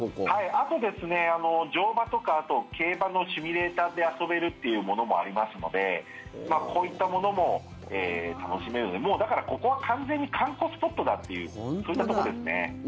あとですね、乗馬とかあと競馬のシミュレーターで遊べるというものもありますのでこういったものも楽しめるのでもう、だから、ここは完全に観光スポットだっていうそういったところですね。